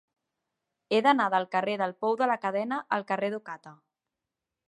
He d'anar del carrer del Pou de la Cadena al carrer d'Ocata.